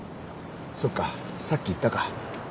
そっかさっき言ったか。